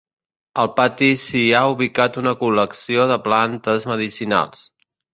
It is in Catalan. Al patí s'hi ha ubicat una col·lecció de plantes medicinals.